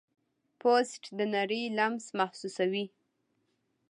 پوست د نړۍ لمس محسوسوي.